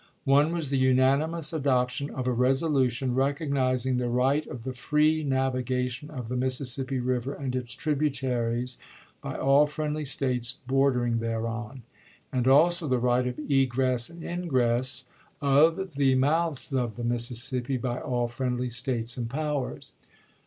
One was the unanimous adoption of a resolution recognizing " the right of the free navigation of the Mississippi River and its tribu taries by all friendly States bordering thereon," and also "the right of egress and ingress of the ■if.i i i:i:son davi THE COTTON " KEPUBLICS " 193 mouths of the Mississippi by all friendly States chap. xn. and powers."